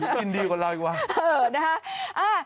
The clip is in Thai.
กินดีกว่าเราอีกวะ